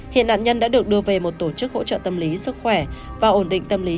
hiện nạn nhân đã được đưa về một tổ chức hỗ trợ tâm lý sức khỏe và ổn định tâm lý